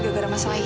gak ada masalah ini